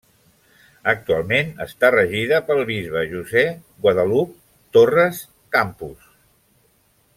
Actualment està regida pel bisbe José Guadalupe Torres Campos.